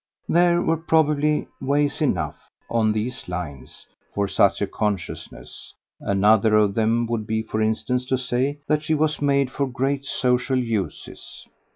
There were probably ways enough, on these lines, for such a consciousness; another of them would be for instance to say that she was made for great social uses.